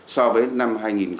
so với năm hai nghìn một mươi năm